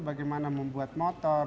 bagaimana membuat motor